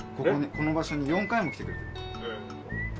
この場所に４回も来てくれてる。